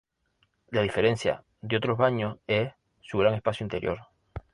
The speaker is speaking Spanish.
La diferencia de otros baños es su gran espacio interior.